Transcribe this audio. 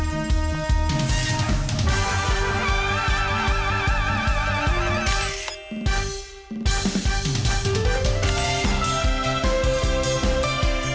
สวัสดี